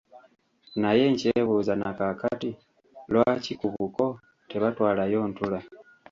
Naye nkyebuuza na kaakati lwaki ku buko tebatwalayo ntula.